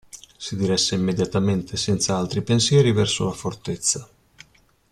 Si diresse immediatamente, senza altri pensieri, verso la fortezza.